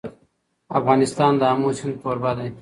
افغانستان د آمو سیند کوربه دی.